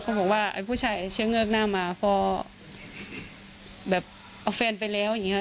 บอกว่าไอ้ผู้ชายเชื้อเงือกหน้ามาพอแบบเอาแฟนไปแล้วอย่างนี้ค่ะ